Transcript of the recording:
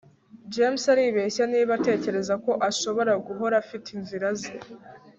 james aribeshya niba atekereza ko ashobora guhora afite inzira ze